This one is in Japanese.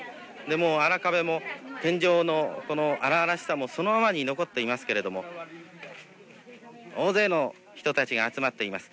もう荒壁も天井のこの荒々しさもそのままに残っていますけれども大勢の人たちが集まっています